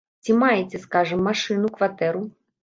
Ці маеце, скажам, машыну, кватэру?